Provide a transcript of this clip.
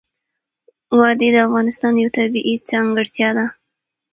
وادي د افغانستان یوه طبیعي ځانګړتیا ده.